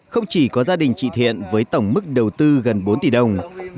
không chỉ có gia đình chị thiện với tổng mức đầu tư gần bốn tỷ đồng